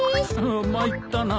参ったな。